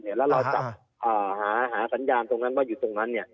แล้วเราจับหาสัญญาณตรงนั้นว่าอยู่ตรงนั้น